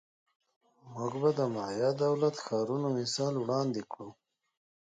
موږ به د مایا دولت ښارونو مثال وړاندې کړو